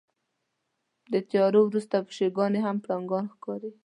د تیارو وروسته پیشوګانې هم پړانګان ښکاري.